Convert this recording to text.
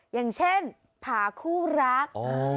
อย่างเช่นผาคู่รัก